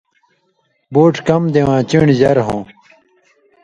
بُوڇھ کم دېوں آں چُن٘ڑیۡ ژر ہوں